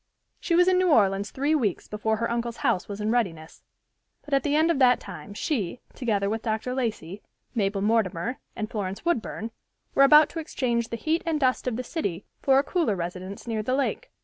She was in New Orleans three weeks before her uncle's house was in readiness; but at the end of that time she, together with Dr. Lacey, Mabel Mortimer and Florence Woodburn were about to exchange the heat and dust of the city for a cooler residence near the lake.